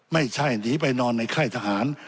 ไม่ใช่หนีไปนอนในค่ายทหาร